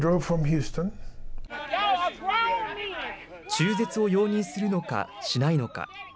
中絶を容認するのか、しないのか。